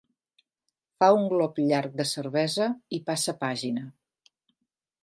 Fa un glop llarg de cervesa i passa pàgina.